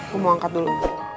gue mau angkat dulu